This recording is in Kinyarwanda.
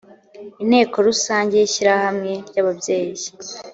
inteko rusange y’ishyirahamwe ry’ababyeyi